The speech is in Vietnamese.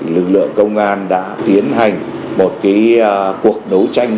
lực lượng công an đã tiến hành một cuộc đấu tranh